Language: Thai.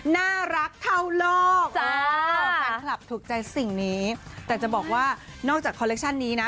น่ารักเท่าโลกแฟนคลับถูกใจสิ่งนี้แต่จะบอกว่านอกจากคอลเลคชั่นนี้นะ